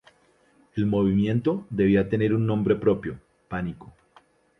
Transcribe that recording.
El movimiento debía tener un nombre propio: Pánico.